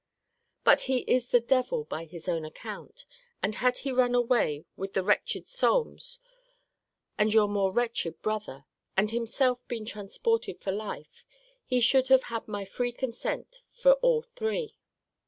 But he is the devil by his own account: and had he run away with the wretched Solmes, and your more wretched brother, and himself been transported for life, he should have had my free consent for all three.